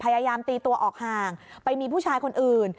พยายามตีตัวออกห่างไปมีผู้ชายคนอื่น